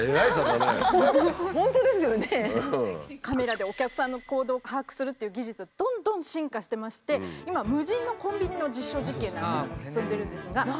カメラでお客さんの行動を把握するっていう技術はどんどん進化してまして今無人のコンビニの実証実験なんかも進んでるんですが。